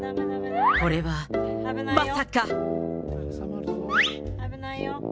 これはまさか。